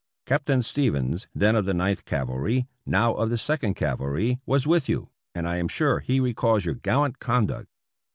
Captain Stevens, then of the Ninth Cavalry, now of the Second Cavalry, was with you, and I am sure he re calls your gallant conduct.